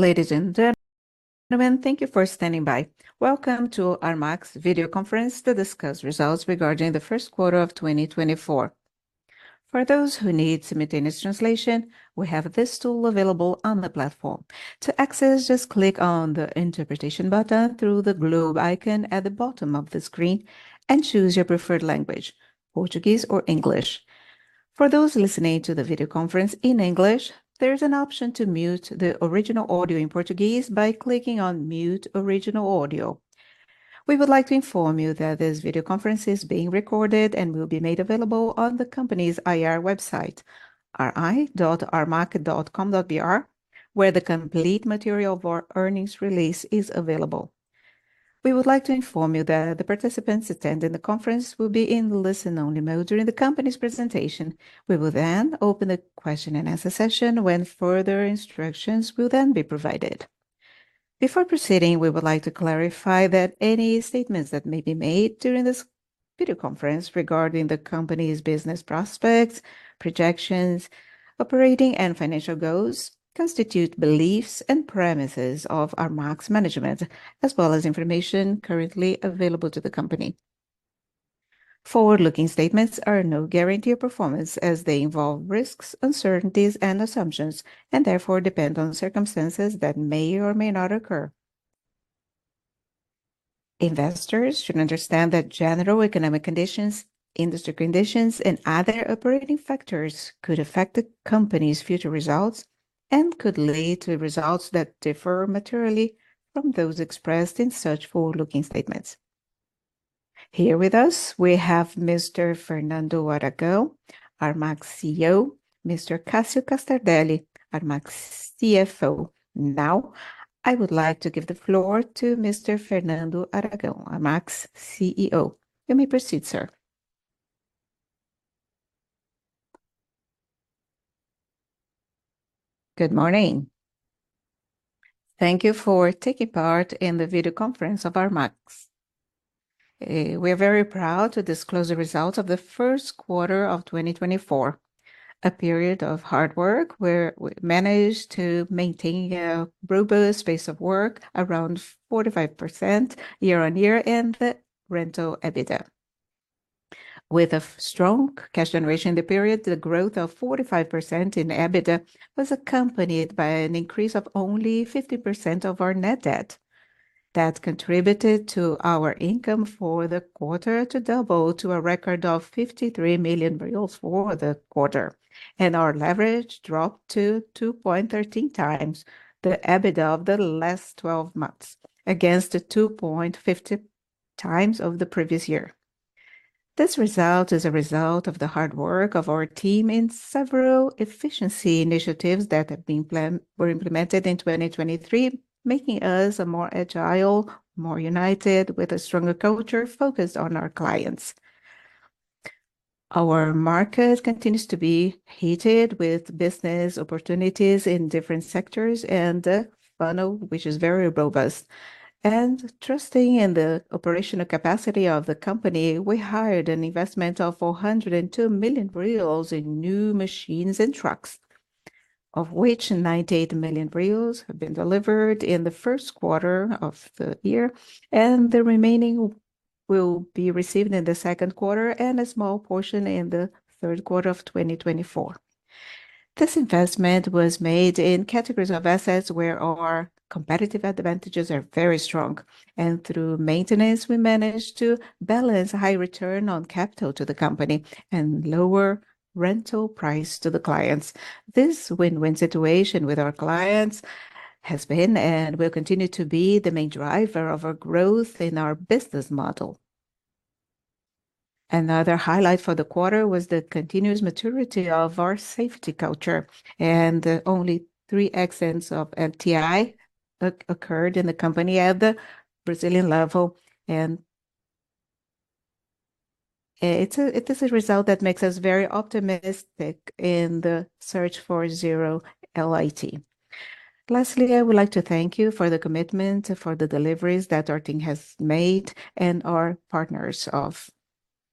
Ladies and gentlemen, thank you for standing by. Welcome to Armac's video conference to discuss results regarding the first quarter of 2024. For those who need simultaneous translation, we have this tool available on the platform. To access, just click on the interpretation button through the globe icon at the bottom of the screen and choose your preferred language, Portuguese or English. For those listening to the video conference in English, there is an option to mute the original audio in Portuguese by clicking on Mute Original Audio. We would like to inform you that this video conference is being recorded and will be made available on the company's IR website, ri.armac.com.br, where the complete material of our earnings release is available. We would like to inform you that the participants attending the conference will be in listen-only mode during the company's presentation. We will then open the question and answer session, when further instructions will then be provided. Before proceeding, we would like to clarify that any statements that may be made during this video conference regarding the company's business prospects, projections, operating and financial goals, constitute beliefs and premises of Armac's management, as well as information currently available to the company. Forward-looking statements are no guarantee of performance as they involve risks, uncertainties, and assumptions, and therefore depend on circumstances that may or may not occur. Investors should understand that general economic conditions, industry conditions, and other operating factors could affect the company's future results and could lead to results that differ materially from those expressed in such forward-looking statements. Here with us, we have Mr. Fernando Aragão, Armac's CEO, Mr. Cássio Castardelli, Armac's CFO. Now, I would like to give the floor to Mr. Fernando Aragão, Armac's CEO. You may proceed, sir. Good morning. Thank you for taking part in the video conference of Armac. We are very proud to disclose the results of the first quarter of 2024, a period of hard work, where we managed to maintain a robust pace of work around 45% year-on-year in the rental EBITDA. With a strong cash generation in the period, the growth of 45% in EBITDA was accompanied by an increase of only 50% of our net debt. That contributed to our income for the quarter to double to a record of 53 million reais for the quarter, and our leverage dropped to 2.13x the EBITDA of the last twelve months, against the 2.50x of the previous year. This result is a result of the hard work of our team in several efficiency initiatives that were implemented in 2023, making us a more agile, more united, with a stronger culture focused on our clients. Our market continues to be heated with business opportunities in different sectors and a funnel, which is very robust. And trusting in the operational capacity of the company, we hired an investment of 402 million in new machines and trucks, of which 98 million have been delivered in the first quarter of the year, and the remaining will be received in the second quarter, and a small portion in the third quarter of 2024. This investment was made in categories of assets where our competitive advantages are very strong, and through maintenance, we managed to balance a high return on capital to the company and lower rental price to the clients. This win-win situation with our clients has been, and will continue to be, the main driver of our growth in our business model. Another highlight for the quarter was the continuous maturity of our safety culture, and only three accidents of MTI occurred in the company at the Brazilian level, and it is a result that makes us very optimistic in the search for zero LTI. Lastly, I would like to thank you for the commitment, for the deliveries that our team has made and our partners of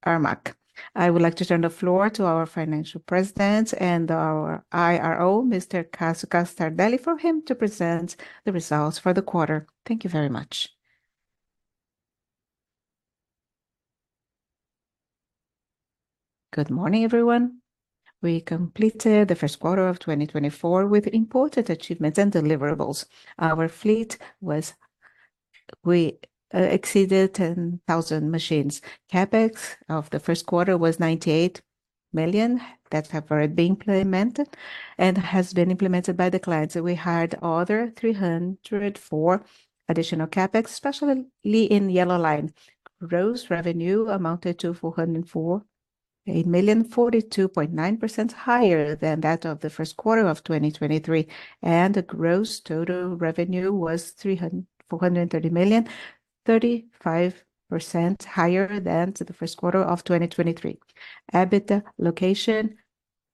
Armac. I would like to turn the floor to our financial president and our IRO, Mr. Cássio Castardelli, for him to present the results for the quarter. Thank you very much. Good morning, everyone. We completed the first quarter of 2024 with important achievements and deliverables. Our fleet was... We exceeded 10,000 machines. CapEx of the first quarter was 98 million. That have already been implemented and has been implemented by the clients. We hired other 304 additional CapEx, especially in Yellow Line. Gross revenue amounted to 404 million, 42.9% higher than that of the first quarter of 2023, and the gross total revenue was 430 million, 35% higher than to the first quarter of 2023. EBITDA margin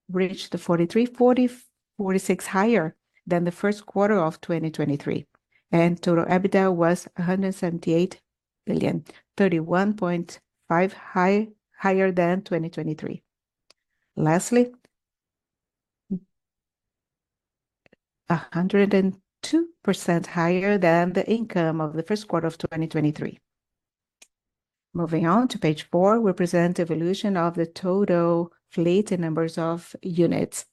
reached 43.46%, higher than the first quarter of 2023, and total EBITDA was 178 million, 31.5% higher than 2023. Lastly, 102% higher than the income of the first quarter of 2023. Moving on to page 4, we present the evolution of the total fleet and numbers of units.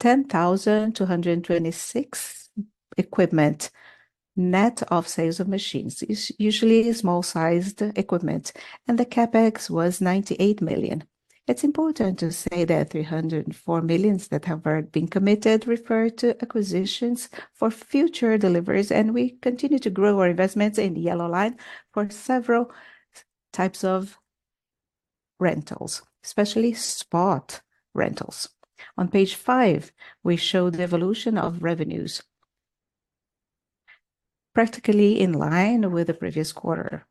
10,226 equipment, net of sales of machines, is usually small-sized equipment, and the CapEx was 98 million. It's important to say that 304 million that have already been committed refer to acquisitions for future deliveries, and we continue to grow our investments in the Yellow Line for several types of rentals, especially spot rentals. On page 5, we show the evolution of revenues. Practically in line with the previous quarter,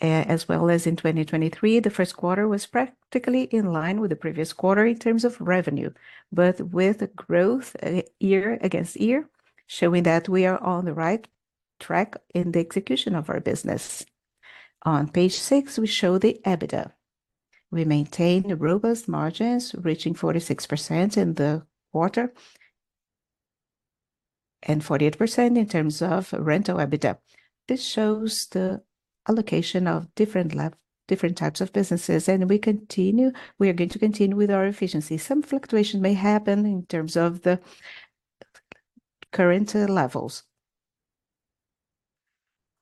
as well as in 2023, the first quarter was practically in line with the previous quarter in terms of revenue, but with a growth year against year, showing that we are on the right track in the execution of our business. On page 6, we show the EBITDA. We maintain the robust margins, reaching 46% in the quarter, and 48% in terms of rental EBITDA. This shows the allocation of different types of businesses, and we continue—we are going to continue with our efficiency. Some fluctuation may happen in terms of the current levels.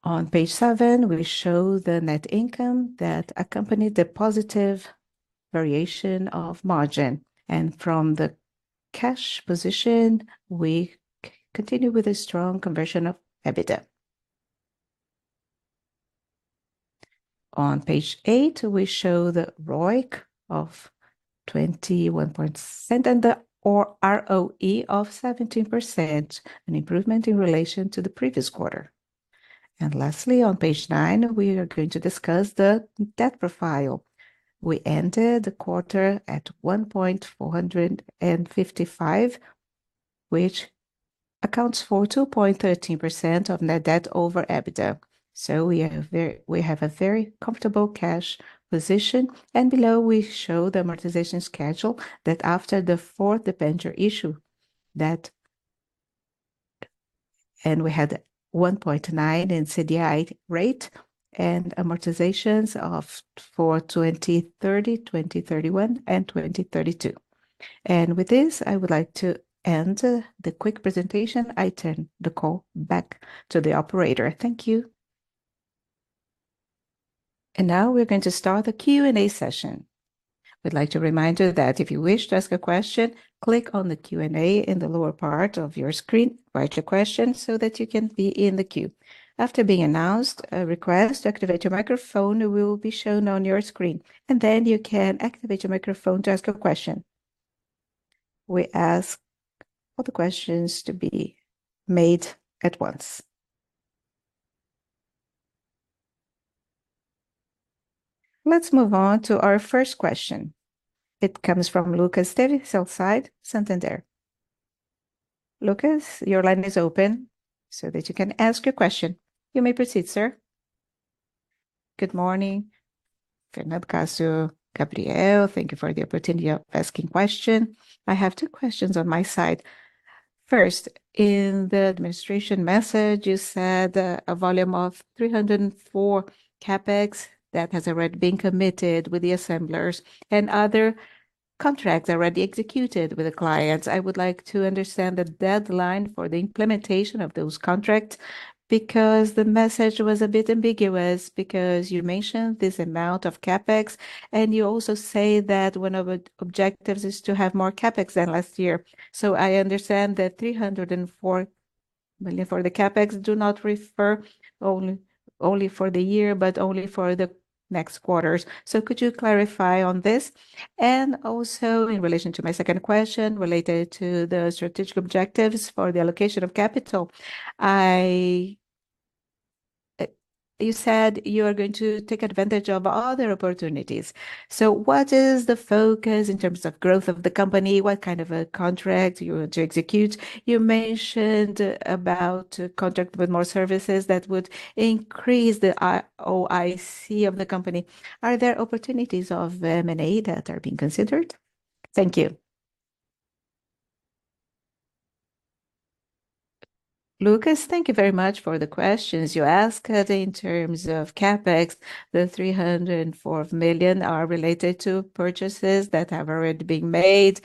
On page 7, we show the net income that accompanied the positive variation of margin, and from the cash position, we continue with a strong conversion of EBITDA. On page eight, we show the ROIC of 21.7, and the ROE of 17%, an improvement in relation to the previous quarter. Lastly, on page nine, we are going to discuss the debt profile. We ended the quarter at 1,455, which accounts for 2.13% of net debt over EBITDA. We have a very comfortable cash position, and below, we show the amortization schedule, that after the fourth debenture issue, that... We had 1.9 in CDI rate and amortizations for 2030, 2031, and 2032. With this, I would like to end the quick presentation. I turn the call back to the operator. Thank you. Now we're going to start the Q&A session. We'd like to remind you that if you wish to ask a question, click on the Q&A in the lower part of your screen. Write your question so that you can be in the queue. After being announced, a request to activate your microphone will be shown on your screen, and then you can activate your microphone to ask a question. We ask all the questions to be made at once. Let's move on to our first question. It comes from Lucas Telles, Santander. Lucas, your line is open, so that you can ask your question. You may proceed, sir. Good morning, Fernando, Cássio, Gabriel. Thank you for the opportunity of asking question. I have two questions on my side. First, in the administration message, you said a volume of 304 CapEx that has already been committed with the assemblers and other contracts already executed with the clients. I would like to understand the deadline for the implementation of those contracts, because the message was a bit ambiguous, because you mentioned this amount of CapEx, and you also say that one of the objectives is to have more CapEx than last year. So I understand that 304 million for the CapEx do not refer only for the year, but only for the next quarters. So could you clarify on this? And also, in relation to my second question, related to the strategic objectives for the allocation of capital, I... you said you are going to take advantage of other opportunities. So what is the focus in terms of growth of the company? What kind of a contract you want to execute? You mentioned about contract with more services that would increase the ROIC of the company. Are there opportunities of M&A that are being considered? Thank you. Lucas, thank you very much for the questions you asked. In terms of CapEx, the 304 million are related to purchases that have already been made,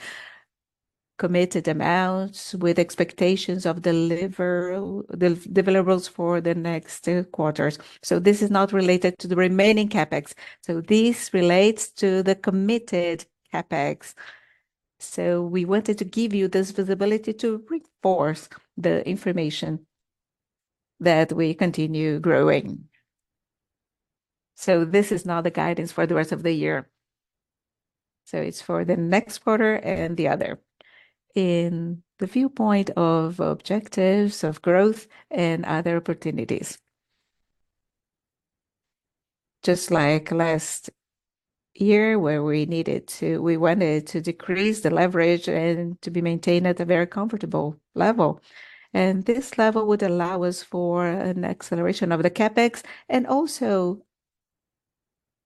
committed amounts with expectations of deliverables for the next two quarters. So this is not related to the remaining CapEx. So this relates to the committed CapEx. So we wanted to give you this visibility to reinforce the information that we continue growing. So this is not the guidance for the rest of the year. So it's for the next quarter and the other. In the viewpoint of objectives, of growth, and other opportunities, just like last year, where we wanted to decrease the leverage and to be maintained at a very comfortable level, and this level would allow us for an acceleration of the CapEx and also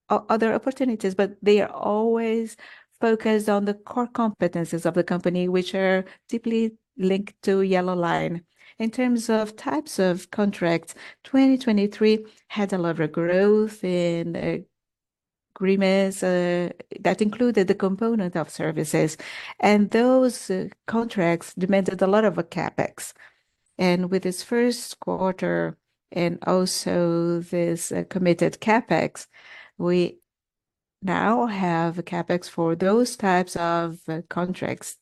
other opportunities, but they are always focused on the core competencies of the company, which are deeply linked to Yellow Line. In terms of types of contracts, 2023 had a lot of growth in agreements that included the component of services, and those contracts demanded a lot of a CapEx. And with this first quarter, and also this committed CapEx, we now have a CapEx for those types of contracts,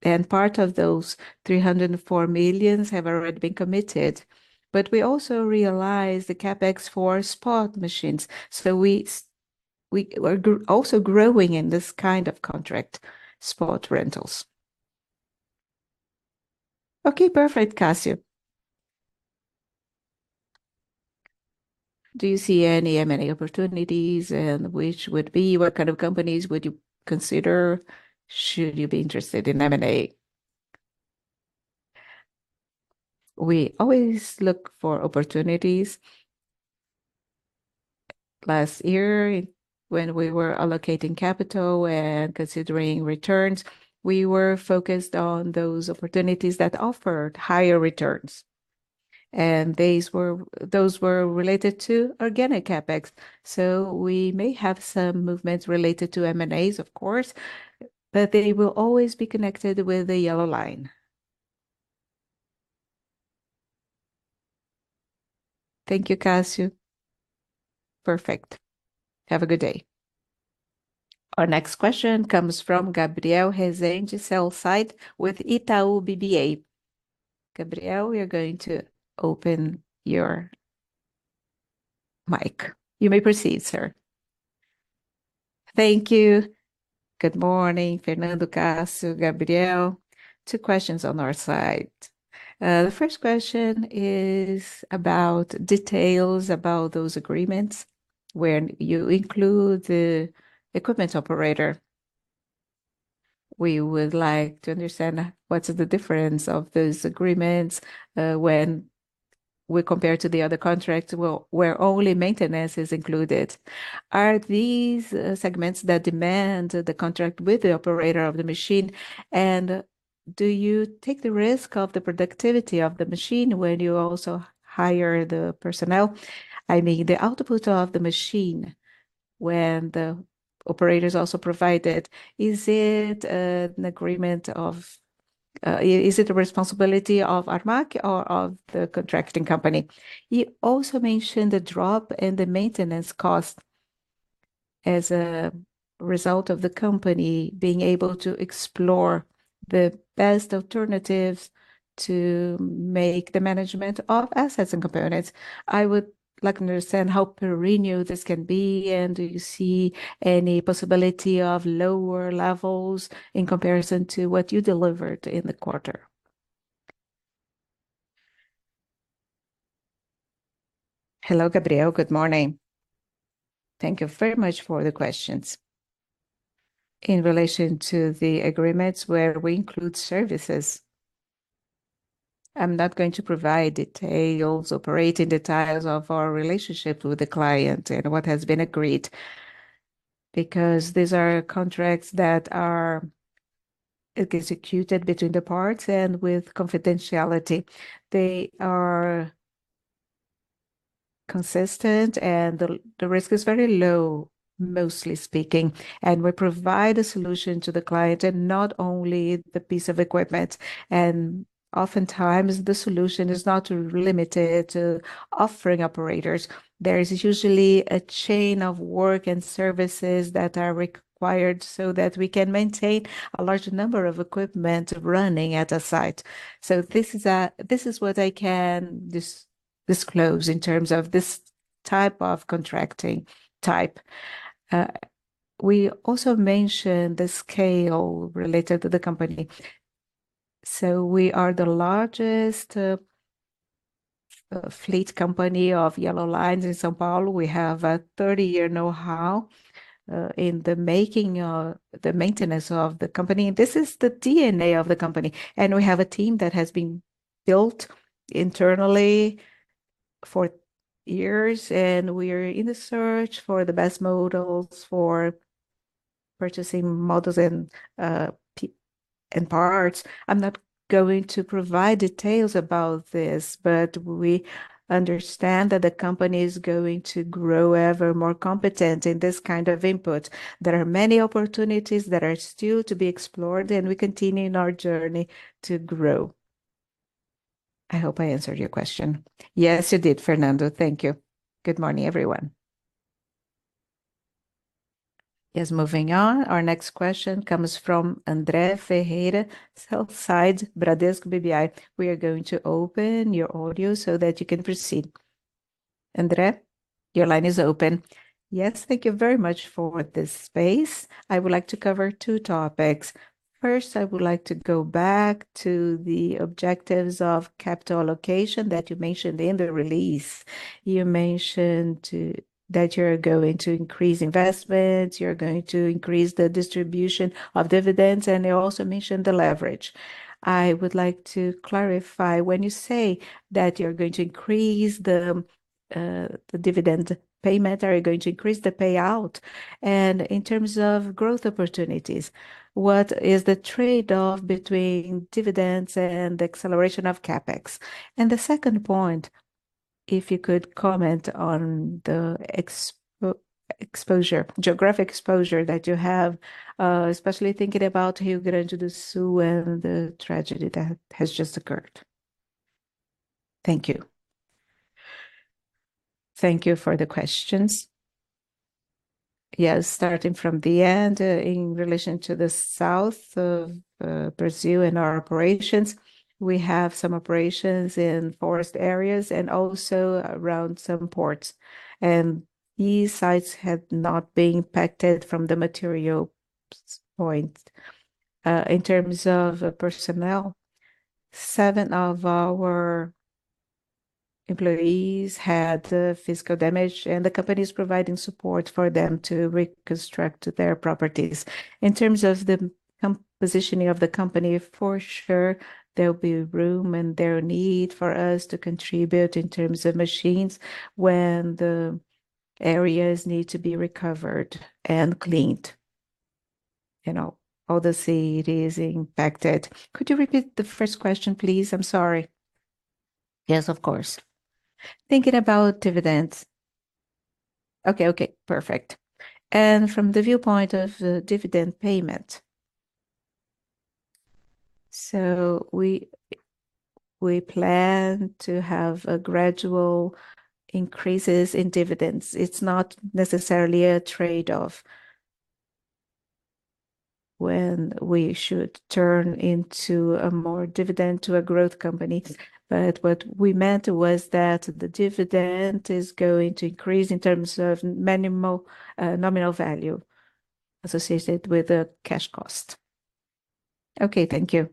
and part of those 304 million have already been committed. But we also realize the CapEx for spot machines, so we are also growing in this kind of contract, spot rentals. Okay, perfect, Cássio. "Do you see any M&A opportunities, and which would be? What kind of companies would you consider, should you be interested in M&A? " We always look for opportunities. Last year, when we were allocating capital and considering returns, we were focused on those opportunities that offered higher returns, and these were those were related to organic CapEx. So we may have some movements related to M&As, of course, but they will always be connected with the Yellow Line. Thank you, Cássio. Perfect. Have a good day. Our next question comes from Gabriel Rezende, sell-side with Itaú BBA. Gabriel, we are going to open your mic. You may proceed, sir. Thank you. Good morning, Fernando, Cássio, Gabriel. Two questions on our side. The first question is about details about those agreements. When you include the equipment operator, we would like to understand what's the difference of those agreements, when we compare to the other contracts, well, where only maintenance is included. Are these segments that demand the contract with the operator of the machine? And do you take the risk of the productivity of the machine when you also hire the personnel? I mean, the output of the machine when the operator is also provided, is it an agreement of... Is it a responsibility of Armac or of the contracting company? You also mentioned the drop in the maintenance cost as a result of the company being able to explore the best alternatives to make the management of assets and components. I would like to understand how perennial this can be, and do you see any possibility of lower levels in comparison to what you delivered in the quarter? Hello, Gabriel. Good morning. Thank you very much for the questions. In relation to the agreements where we include services, I'm not going to provide details, operating details of our relationship with the client and what has been agreed, because these are contracts that are executed between the parts and with confidentiality. They are consistent, and the risk is very low, mostly speaking, and we provide a solution to the client and not only the piece of equipment. And oftentimes, the solution is not limited to offering operators. There is usually a chain of work and services that are required so that we can maintain a large number of equipment running at a site. So this is, this is what I can disclose in terms of this type of contracting type. We also mentioned the scale related to the company. So we are the largest fleet company of Yellow lines in São Paulo. We have a 30-year know-how in the making, the maintenance of the company. This is the DNA of the company, and we have a team that has been built internally for years, and we are in a search for the best models, for purchasing models and, and parts. I'm not going to provide details about this, but we understand that the company is going to grow ever more competent in this kind of input. There are many opportunities that are still to be explored, and we continue in our journey to grow. I hope I answered your question. Yes, you did, Fernando. Thank you. Good morning, everyone. Yes, moving on. Our next question comes from André Ferreira, sell-side, Bradesco BBI. We are going to open your audio so that you can proceed. André, your line is open. Yes, thank you very much for this space. I would like to cover two topics. First, I would like to go back to the objectives of capital allocation that you mentioned in the release. You mentioned that you're going to increase investments, you're going to increase the distribution of dividends, and you also mentioned the leverage. I would like to clarify, when you say that you're going to increase the dividend payment? Are you going to increase the payout? And in terms of growth opportunities, what is the trade-off between dividends and acceleration of CapEx? And the second point, if you could comment on the exposure, geographic exposure that you have, especially thinking about Rio Grande do Sul and the tragedy that has just occurred. Thank you. Thank you for the questions. Yes, starting from the end, in relation to the south of Brazil and our operations, we have some operations in forest areas and also around some ports, and these sites have not been impacted from the material points. In terms of personnel, seven of our employees had physical damage, and the company is providing support for them to reconstruct their properties. In terms of the positioning of the company, for sure, there will be room and there need for us to contribute in terms of machines when the areas need to be recovered and cleaned. You know, all the cities impacted. Could you repeat the first question, please? I'm sorry. Yes, of course. Thinking about dividends. Okay, okay, perfect. And from the viewpoint of the dividend payment. So we, we plan to have a gradual increases in dividends. It's not necessarily a trade-off when we should turn into a more dividend to a growth company. But what we meant was that the dividend is going to increase in terms of minimal nominal value associated with the cash cost. Okay, thank you.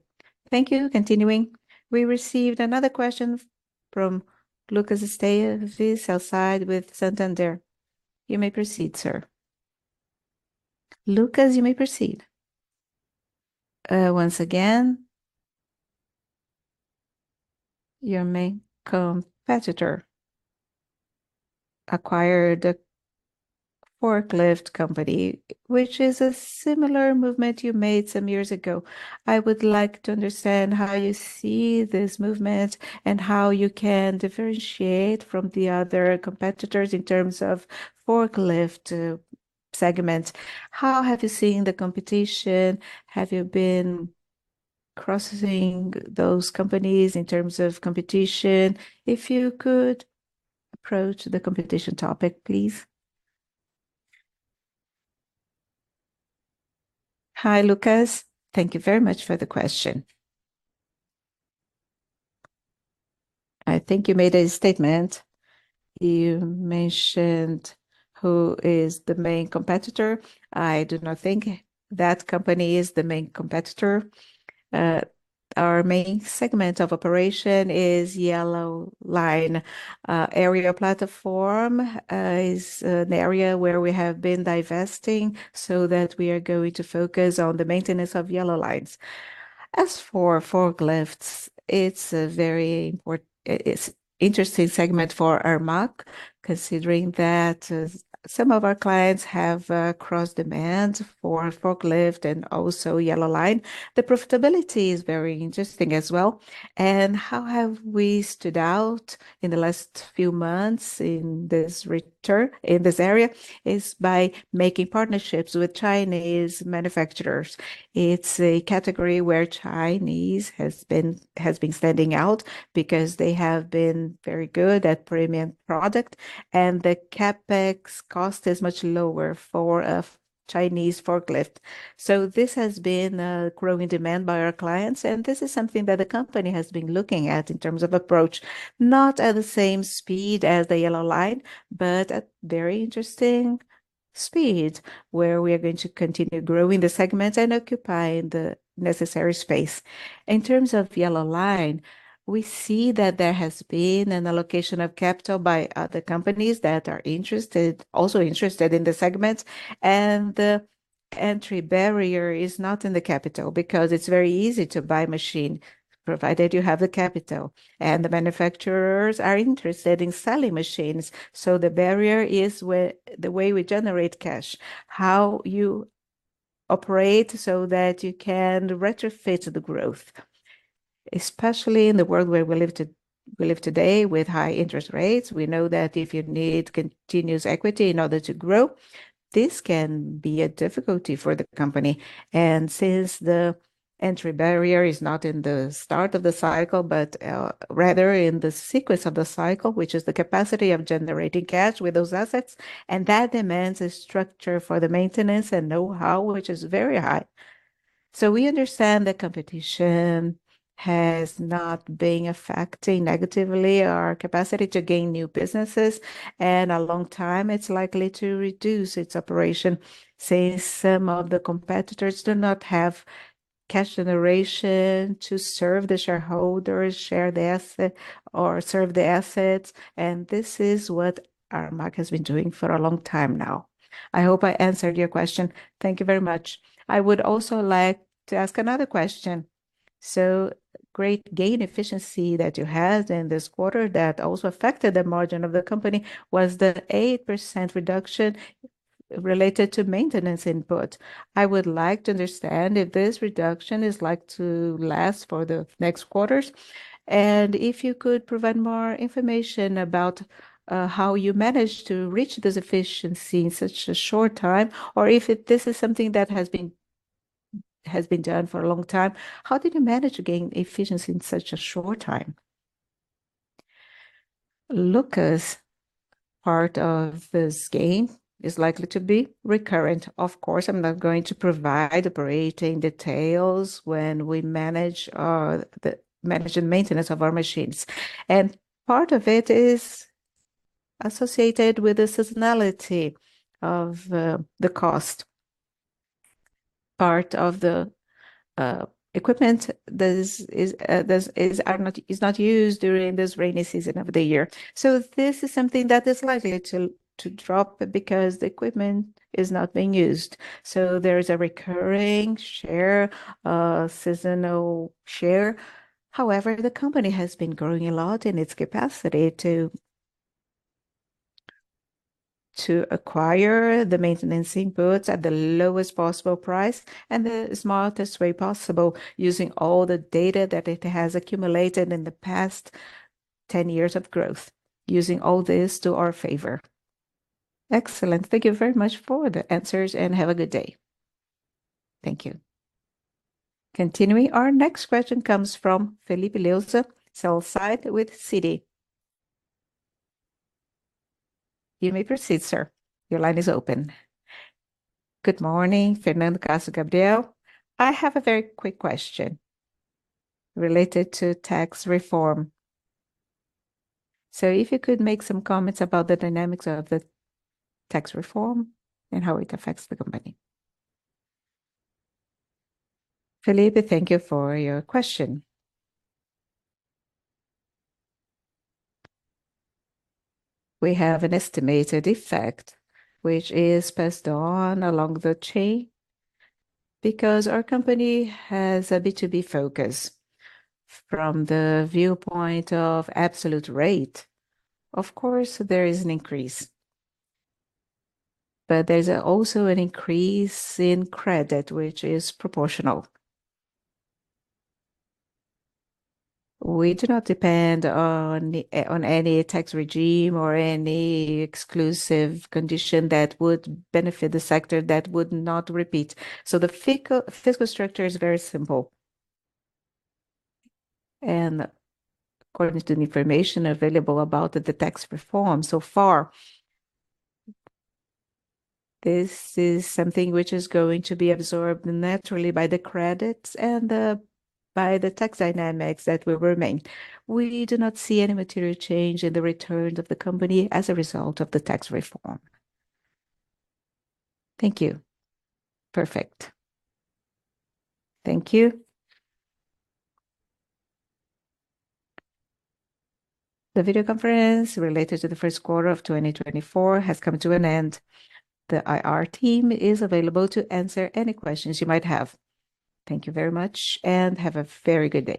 Thank you. Continuing, we received another question from Lucas Esteves, Santander, with Santander. You may proceed, sir. Lucas, you may proceed. Once again, your main competitor acquired a forklift company, which is a similar movement you made some years ago. I would like to understand how you see this movement and how you can differentiate from the other competitors in terms of forklift segments. How have you seen the competition? Have you been crossing those companies in terms of competition? If you could approach the competition topic, please. Hi, Lucas. Thank you very much for the question. I think you made a statement. You mentioned who is the main competitor. I do not think that company is the main competitor. Our main segment of operation is Yellow Line. Aerial platform is an area where we have been divesting so that we are going to focus on the maintenance of yellow lines. As for forklifts, it's a very important, it's interesting segment for Armac, considering that some of our clients have cross demands for forklift and also yellow line. The profitability is very interesting as well. How have we stood out in the last few months in this return, in this area, is by making partnerships with Chinese manufacturers. It's a category where Chinese has been, has been standing out because they have been very good at premium product, and the CapEx cost is much lower for a Chinese forklift. So this has been a growing demand by our clients, and this is something that the company has been looking at in terms of approach, not at the same speed as the Yellow Line, but at very interesting speed, where we are going to continue growing the segment and occupying the necessary space. In terms of Yellow Line, we see that there has been an allocation of capital by other companies that are interested, also interested in the segment, and the entry barrier is not in the capital, because it's very easy to buy machine, provided you have the capital, and the manufacturers are interested in selling machines. So the barrier is where, the way we generate cash, how you operate so that you can retrofit the growth, especially in the world where we live, we live today with high interest rates. We know that if you need continuous equity in order to grow, this can be a difficulty for the company. And since the entry barrier is not in the start of the cycle, but, rather in the sequence of the cycle, which is the capacity of generating cash with those assets, and that demands a structure for the maintenance and know-how, which is very high. So we understand that competition has not been affecting negatively our capacity to gain new businesses, and a long time, it's likely to reduce its operation, since some of the competitors do not have cash generation to serve the shareholders, share the asset, or serve the assets, and this is what Armac has been doing for a long time now. I hope I answered your question. Thank you very much. I would also like to ask another question... So great gain efficiency that you had in this quarter that also affected the margin of the company, was the 8% reduction related to maintenance input. I would like to understand if this reduction is like to last for the next quarters, and if you could provide more information about, how you managed to reach this efficiency in such a short time, or if it-- this is something that has been, has been done for a long time. How did you manage to gain efficiency in such a short time? Lucas, part of this gain is likely to be recurrent. Of course, I'm not going to provide operating details when we manage, the manage and maintenance of our machines. And part of it is associated with the seasonality of, the cost. Part of the equipment that is not used during this rainy season of the year. So this is something that is likely to drop, because the equipment is not being used. So there is a recurring share, seasonal share. However, the company has been growing a lot in its capacity to acquire the maintenance inputs at the lowest possible price and the smartest way possible, using all the data that it has accumulated in the past 10 years of growth, using all this to our favor. Excellent. Thank you very much for the answers, and have a good day. Thank you. Continuing, our next question comes from Felipe Nielsen, sell-side with Citi. You may proceed, sir. Your line is open. Good morning, Fernando, Cássio, Gabriel. I have a very quick question related to tax reform. So if you could make some comments about the dynamics of the tax reform and how it affects the company? Filipe, thank you for your question. We have an estimated effect, which is passed on along the chain, because our company has a B2B focus. From the viewpoint of absolute rate, of course, there is an increase, but there's also an increase in credit, which is proportional. We do not depend on, on any tax regime or any exclusive condition that would benefit the sector, that would not repeat. So the fiscal structure is very simple. And according to the information available about the tax reform so far, this is something which is going to be absorbed naturally by the credits and, by the tax dynamics that will remain. We do not see any material change in the returns of the company as a result of the tax reform. Thank you. Perfect. Thank you. The video conference related to the first quarter of 2024 has come to an end. The IR team is available to answer any questions you might have. Thank you very much, and have a very good day.